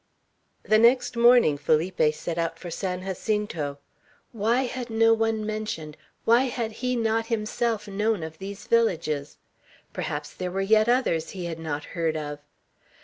The next morning Felipe set out for San Jacinto. Why had no one mentioned, why had he not himself known, of these villages? Perhaps there were yet others he had not heard of.